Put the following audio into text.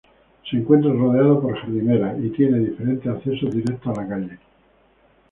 Se encuentra rodeado por jardineras, y tiene diferentes accesos directos a la calle.